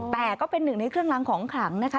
แต่ก็เป็นหนึ่งในเครื่องล้างของขลังนะคะ